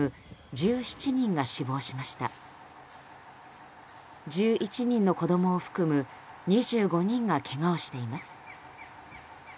１１人の子供を含む２５人がけがをしています。